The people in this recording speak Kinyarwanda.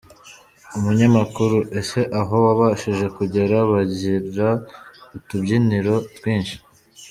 Umunyamakuru: Ese aho wabashije kugera bagira utubyiniro twinshi?.